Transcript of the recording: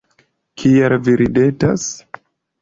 Kial vi ridetas?